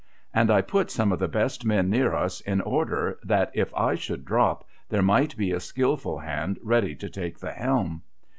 And I put some of the best men near us in order that if I should drop there might be a skilful hand ready to take the helm.